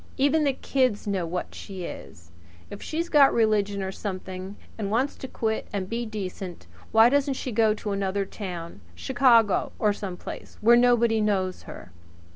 Even the kids know what she is. If she's got religion or something, and wants to quit and be decent, why doesn't she go to another town Chicago or some place where nobody knows her?"